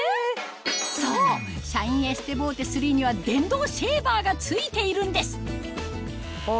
そうシャインエステボーテ３には電動シェーバーが付いているんですあぁ